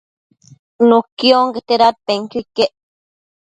nuqui onquete dadpenquio iquec